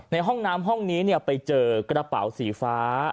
ในห้องน้ำห้องนี้ไปเจอกระเป๋าสีฟ้า